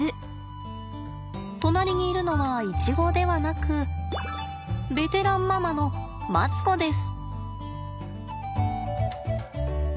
隣にいるのはイチゴではなくベテランママのマツコです。